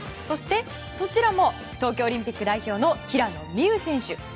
そして、そちらも東京オリンピック代表の平野美宇選手。